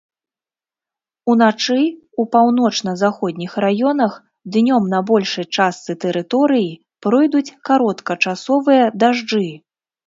Уначы ў паўночна-заходніх раёнах, днём на большай частцы тэрыторыі пройдуць кароткачасовыя дажджы.